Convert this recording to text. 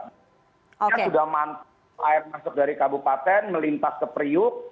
sudah mantap air masuk dari kabupaten melintas ke priuk